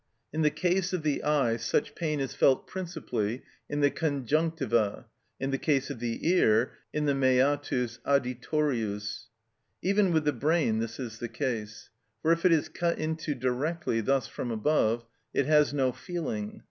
In the case of the eye such pain is felt principally in the conjunctiva; in the case of the ear, in the meatus auditorius. Even with the brain this is the case, for if it is cut into directly, thus from above, it has no feeling.